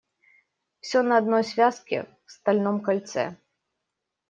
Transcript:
Все на одной связке, в стальном кольце.